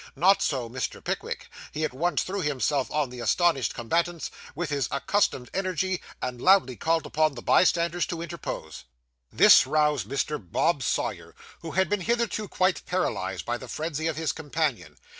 Not so, Mr. Pickwick. He at once threw himself on the astonished combatants, with his accustomed energy, and loudly called upon the bystanders to interpose. This roused Mr. Bob Sawyer, who had been hitherto quite paralysed by the frenzy of his companion.